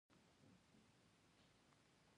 افغانستان د ځمکني شکل په برخه کې پوره نړیوال شهرت لري.